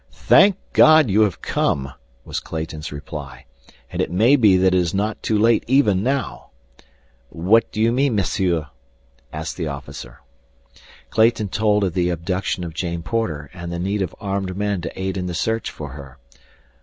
"Thank God, you have come!" was Clayton's reply. "And it may be that it is not too late even now." "What do you mean, Monsieur?" asked the officer. Clayton told of the abduction of Jane Porter and the need of armed men to aid in the search for her.